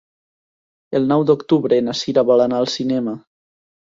El nou d'octubre na Cira vol anar al cinema.